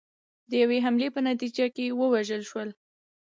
د یوې حملې په نتیجه کې ووژل شول